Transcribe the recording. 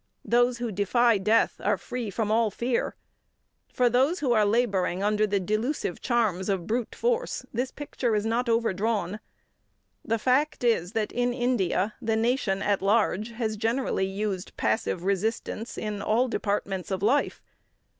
Those who defy death are free from all fear. For those who are labouring under the delusive charms of brute force, this picture is not overdrawn. The fact is that, in India, the nation at large has generally used passive resistance in all departments of life.